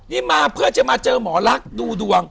นี่มาเพื่อจะมาเจอหมอลักษณ์ดูดวง